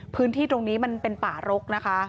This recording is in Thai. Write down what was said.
พื้นที่ตรงนี้มันเป็นป่ารกนะคะ